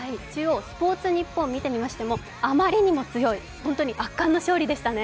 スポーツニッポンを見てみましても、あまりにも強い、本当に圧巻の勝利でしたね。